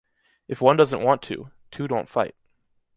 If one doesn’t want to, two don’t fight.